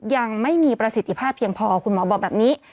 ยังไม่มีประสิทธิภาพเพียงพอคุณหมอบอกแบบนี้